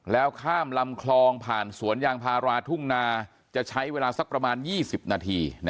แล้วข้ามลำคลองผ่านสวนยางพาราทุ่งนาจะใช้เวลาสักประมาณ๒๐นาที